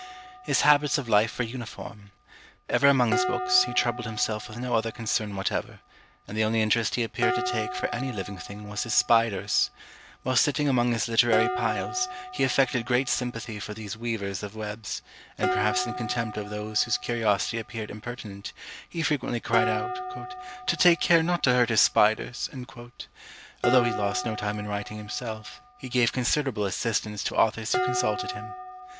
His habits of life were uniform. Ever among his books, he troubled himself with no other concern whatever; and the only interest he appeared to take for any living thing was his spiders. While sitting among his literary piles, he affected great sympathy for these weavers of webs, and perhaps in contempt of those whose curiosity appeared impertinent, he frequently cried out, "to take care not to hurt his spiders!" Although he lost no time in writing himself, he gave considerable assistance to authors who consulted him.